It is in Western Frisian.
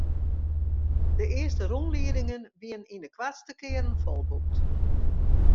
De earste rûnliedingen wiene yn de koartste kearen folboekt.